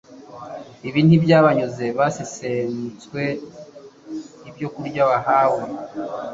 Ibi ntibyabanyuze. Basesemutswe ibyokurya bahawe,